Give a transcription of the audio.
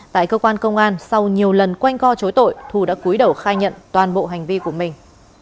tại cơ quan công an sau nhiều lần quanh co chối tội thu đã cuối đầu khai nhận toàn bộ hành vi của mình